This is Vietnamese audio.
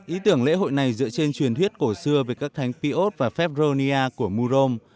ý tưởng lễ hội này dựa trên truyền thuyết cổ xưa về các thánh piot và febronia của murom